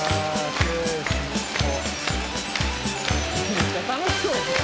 めっちゃ楽しそうやん。